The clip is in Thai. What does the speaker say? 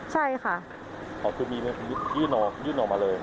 หรือมีมือยื่นออกมาเลย